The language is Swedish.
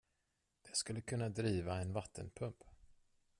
Det skulle kunna driva en vattenpump.